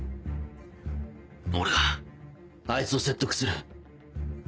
俺があいつを説得する。